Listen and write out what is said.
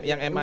yang ma ini